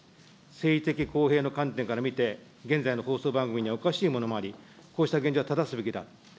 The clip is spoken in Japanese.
政治的公平の観点から見て、現在の放送番組にはおかしいものもあり、こうした現状は正すべきだ。